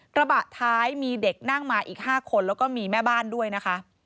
กระบะท้ายมีเด็กนั่งมาอีก๕คนแล้วก็มีแม่บ้านด้วยนะคะ